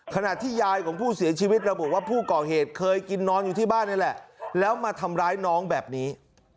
คือผู้เอกที่ไปหมายถึงคะแหล่ะแล้วต้องทำร้ายเป็นน้องแบบนี้